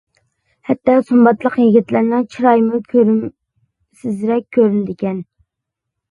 ھەتتا سۇمباتلىق يىگىتلەرنىڭ چىرايىمۇ كۆرۈمسىزرەك كۆرۈنىدىكەن.